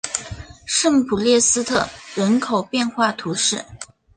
圣普列斯特人口变化图示